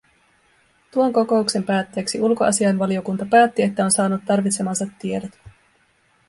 Tuon kokouksen päätteeksi ulkoasiainvaliokunta päätti, että on saanut tarvitsemansa tiedot.